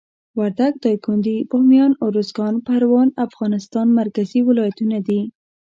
وردګ، دایکندي، بامیان، اروزګان، پروان د افغانستان مرکزي ولایتونه دي.